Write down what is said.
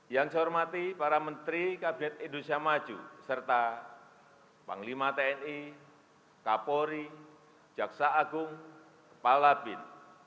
yang saya hormati para menteri kabinet indonesia maju serta panglima tni kapolri jaksa agung kepala bin